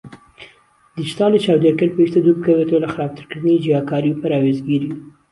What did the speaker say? دیجیتاڵی چاودێرکەر پێویستە دووربکەوێتەوە لە خراپترکردنی جیاکاری و پەراوێزگیری؛